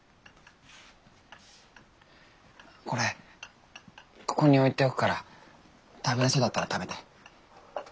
これここに置いておくから食べられそうだったら食べて。